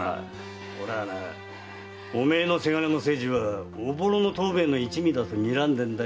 俺はなあお前の伜の清次はおぼろの藤兵衛の一味だとにらんでんだよ。